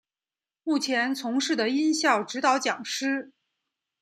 目前从事的音效指导讲师。